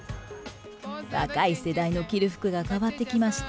若い世代の着る服が変わってきました。